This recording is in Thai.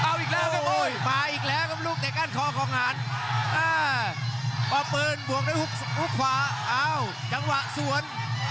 อ้าประมือนบวกด้วยฮุกขวาอ้าวจังหวะสวน